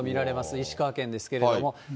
石川県ですけれども。